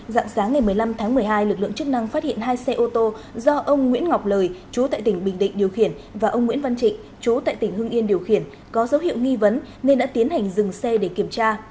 dạng sáng ngày một mươi năm tháng một mươi hai lực lượng chức năng phát hiện hai xe ô tô do ông nguyễn ngọc lời chú tại tỉnh bình định điều khiển và ông nguyễn văn trịnh chú tại tỉnh hưng yên điều khiển có dấu hiệu nghi vấn nên đã tiến hành dừng xe để kiểm tra